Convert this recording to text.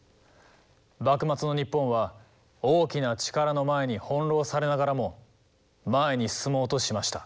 幕末の日本は大きな力の前に翻弄されながらも前に進もうとしました。